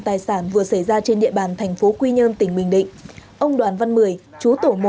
tài sản vừa xảy ra trên địa bàn thành phố quy nhơn tỉnh bình định ông đoàn văn mười chú tổ một